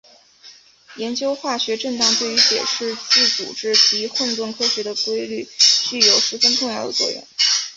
研究化学振荡对于解释自组织及混沌科学的规律具有十分重要的作用。